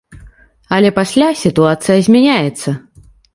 Але пасля сітуацыя змяняецца.